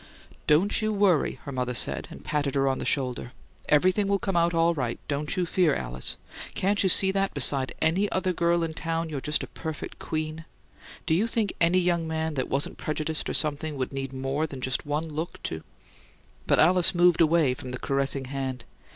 "Don't you worry," her mother said, and patted her on the shoulder. "Everything will come out all right; don't you fear, Alice. Can't you see that beside any other girl in town you're just a perfect QUEEN? Do you think any young man that wasn't prejudiced, or something, would need more than just one look to " But Alice moved away from the caressing hand.